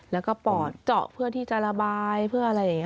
แล้วก็ปอดเจาะเพื่อที่กระบายเพื่ออะไร